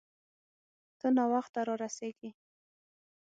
ته ناوخته را رسیږې